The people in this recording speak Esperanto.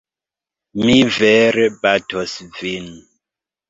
Mi vere batos vin!